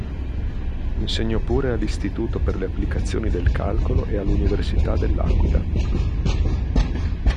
Insegnò pure all'Istituto per le Applicazioni del Calcolo e all'Università dell'Aquila.